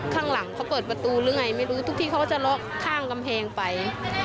ข้างหลังเขาเปิดประตูหรือไงไม่รู้ทุกที่เขาก็จะล็อกข้างกำแพงไป